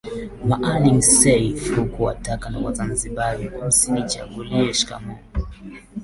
Maalim Seif kwa kuwataka Wazanzibari msinichagulie shikamoo